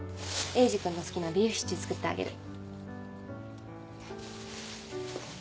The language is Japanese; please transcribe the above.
エイジ君の好きなビーフシチュー作ってあげる。